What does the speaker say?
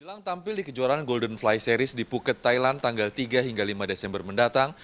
selang tampil di kejuaraan golden fly series di phuket thailand tanggal tiga hingga lima desember mendatang